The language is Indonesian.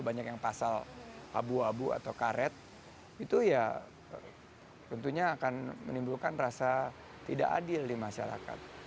banyak yang pasal abu abu atau karet itu ya tentunya akan menimbulkan rasa tidak adil di masyarakat